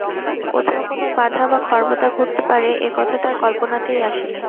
কোথাও কোনো বাধা বা খর্বতা ঘটতে পারে এ কথা তার কল্পনাতেই আসে নি।